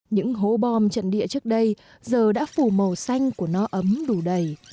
những hố bom trận địa trước đây giờ đã phủ màu xanh của nó ấm đủ đầy